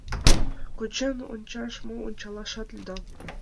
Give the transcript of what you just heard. — Кучен ончаш мо, ончалашат лӱдам...